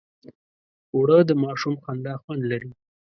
اوړه د ماشوم خندا خوند لري